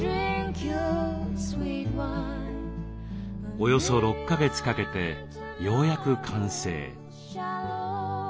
およそ６か月かけてようやく完成。